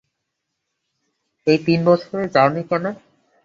এই তিন বছর যাও নি কেন?